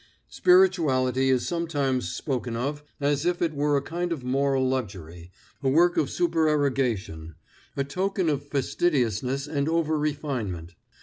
Spirituality is sometimes spoken of as if it were a kind of moral luxury, a work of supererogation, a token of fastidiousness and over refinement.